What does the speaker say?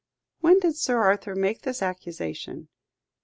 "When did Sir Arthur make this accusation?"